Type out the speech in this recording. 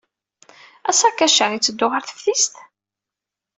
Asakac-a itteddu ɣer teftist?